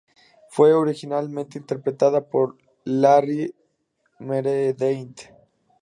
Fue originalmente interpretada por Larry Meredith.